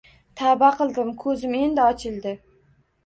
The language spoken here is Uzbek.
Tavba qildim, koʻzim endi ochildi